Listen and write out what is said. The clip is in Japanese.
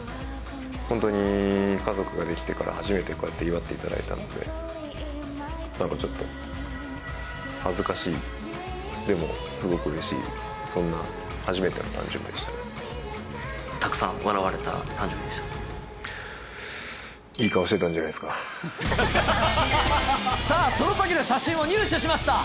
本当に家族ができてから初めてこうやって祝っていただいたので、なんかちょっと、恥ずかしい、でもすごくうれしい、そんな初めたくさん笑われた誕生日でしいい顔してたんじゃないですさあ、そのときの写真を入手しました。